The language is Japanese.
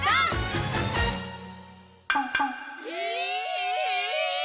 え！